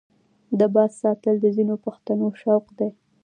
د باز ساتل د ځینو پښتنو شوق دی.